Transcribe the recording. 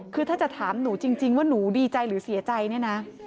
คือถ้าจะถามหนูจริงว่าหนูดีใจหรือเสียใจเนี่ยนะ